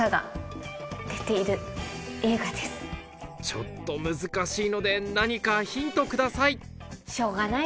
ちょっと難しいので何かヒントください